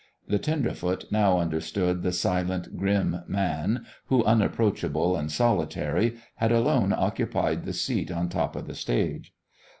The tenderfoot now understood the silent, grim man who, unapproachable and solitary, had alone occupied the seat on top of the stage.